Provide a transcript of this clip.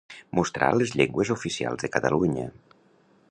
Mostrar les llengües oficials de Catalunya.